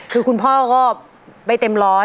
คือคุณพ่อก็ไปเต็มร้อย